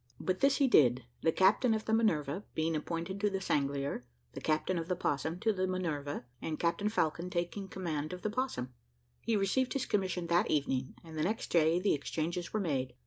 But this he did, the captain of the Minerve, being appointed to the Sanglier, the captain of the Opossum to the Minerve, and Captain Falcon taking the command of the Opossum. He received his commission that evening, and the next day the exchanges were made.